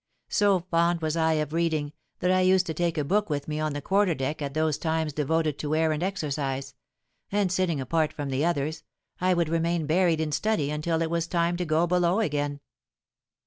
So fond was I of reading, that I used to take a book with me on the quarter deck at those times devoted to air and exercise; and sitting apart from the others, I would remain buried in study until it was time to go below again.